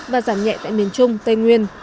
và giảm nhẹ tại miền trung tây nguyên